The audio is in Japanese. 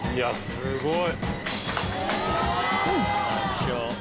すごい。